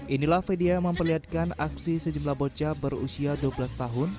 inilah video yang memperlihatkan aksi sejumlah bocah berusia dua belas tahun